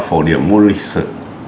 phổ điểm môn lịch sử